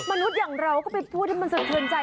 มนุษย์อย่างเราก็ไปพูดให้มันสะเทือนใจ